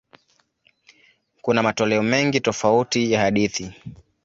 Kuna matoleo mengi tofauti ya hadithi.